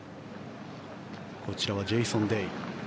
こちらはジェイソン・デイ。